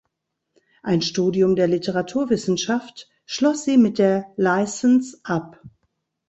Ein Studium der Literaturwissenschaft schloss sie mit der Licence ab.